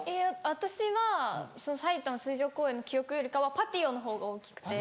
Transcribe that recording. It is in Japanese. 私はさいたま水上公園の記憶よりかはパティオのほうが大きくて。